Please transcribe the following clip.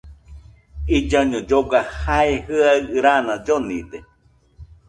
Illaiño lloga, jae jɨaɨ raana llonide